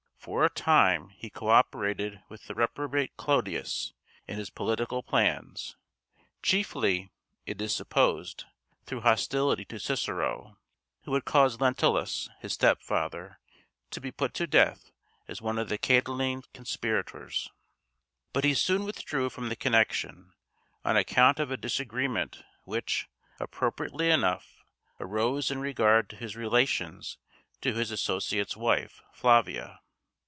For a time he co operated with the reprobate Clodius in his political plans, chiefly, it is supposed, through hostility to Cicero, who had caused Lentulus, his stepfather, to be put to death as one of the Catiline conspirators; but he soon withdrew from the connection, on account of a disagreement which, appropriately enough, arose in regard to his relations to his associate's wife, Flavia.